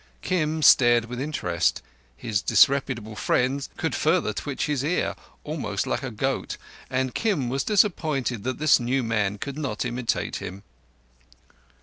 Kim stared with interest. His disreputable friend could further twitch his ears, almost like a goat, and Kim was disappointed that this new man could not imitate him.